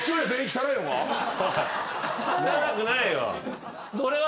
汚くないよ。